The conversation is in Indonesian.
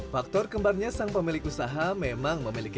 faktor kembarnya sang pemilik usaha memang memiliki